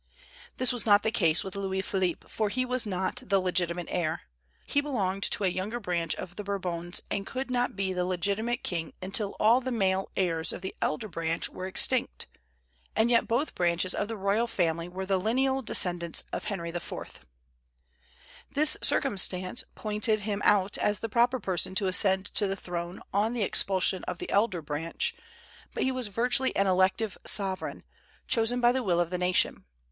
This was not the case with Louis Philippe, for he was not the legitimate heir. He belonged to a younger branch of the Bourbons, and could not be the legitimate king until all the male heirs of the elder branch were extinct; and yet both branches of the royal family were the lineal descendants of Henry IV. This circumstance pointed him out as the proper person to ascend the throne on the expulsion of the elder branch; but he was virtually an elective sovereign, chosen by the will of the nation.